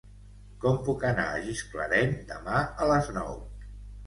Com puc anar a Gisclareny demà a les nou?